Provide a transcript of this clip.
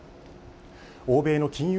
欧米の金融